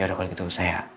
yaudah kalau gitu saya